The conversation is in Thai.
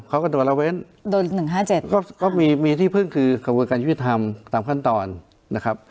เขาก็โดนระเว้นโดนหนึ่งห้าเจ็ดก็ก็มีมีที่พึ่งคือขวังวิทยาลัยภาษณ์การยืดธรรมตามขั้นตอนนะครับ